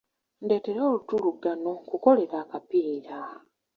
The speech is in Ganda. Ndeetera olutuluggano nkukolere akapiira.